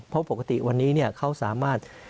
เพราะปกติวันนี้เขาสามารถ